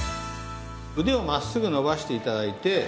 腕をまっすぐ伸ばして頂いて。